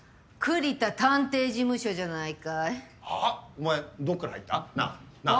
お前どっから入った？なぁなぁ。